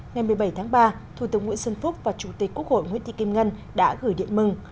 ngày một mươi bảy tháng ba thủ tướng nguyễn xuân phúc và chủ tịch quốc hội nguyễn thị kim ngân đã gửi điện mừng